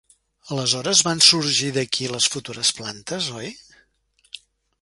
Aleshores van sorgir d'aquí les futures plantes, oi?